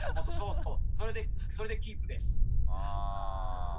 それでキープです。